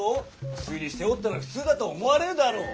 普通にしておったら普通だと思われるであろう。